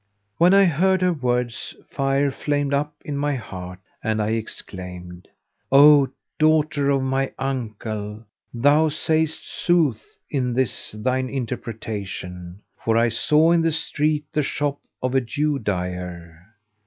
When I heard her words fire flamed up in my heart and I exclaimed, "O daughter of my uncle, thou sayest sooth in this thine interpretation; for I saw in the street the shop of a Jew dyer."